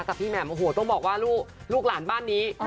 พี่แหม่มโอ้โหต้องบอกว่าลูกหลานบ้านนี้